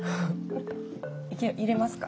入れますか？